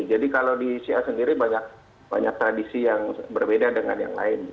jadi kalau di syiah sendiri banyak tradisi yang berbeda dengan yang lain